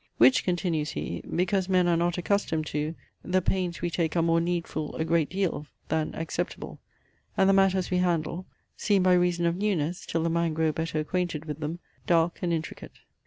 Which, (continues he) "because men are not accustomed to, the pains we take are more needful a great deal, than acceptable; and the matters we handle, seem by reason of newness (till the mind grow better acquainted with them) dark and intricate."